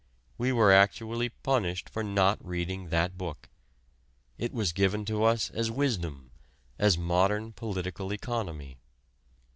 We were actually punished for not reading that book. It was given to us as wisdom, as modern political economy.